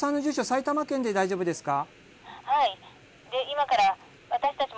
埼玉県で大丈夫ですか？